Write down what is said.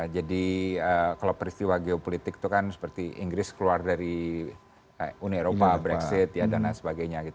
jadi kalau peristiwa geopolitik itu kan seperti inggris keluar dari uni eropa brexit dan sebagainya